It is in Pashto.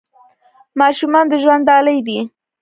ماشومان د ژوند ډالۍ دي .